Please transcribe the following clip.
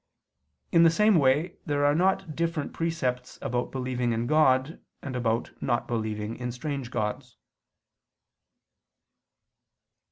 In the same way there are not different precepts about believing in God, and about not believing in strange gods.